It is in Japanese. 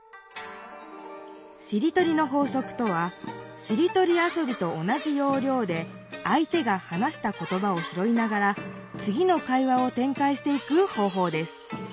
「しりとりの法則」とはしりとりあそびと同じようりょうであい手が話したことばをひろいながらつぎの会話をてんかいしていく方ほうです。